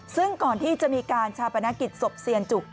ซึ่งก่อนที่จะมีการชาปนกิจศพเซียนจุก